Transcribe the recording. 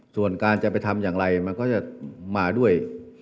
ส่วนการจะไปทำอย่างไรมันก็จะมาด้วย